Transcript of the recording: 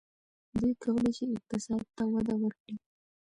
دوی کولای شي اقتصاد ته وده ورکړي.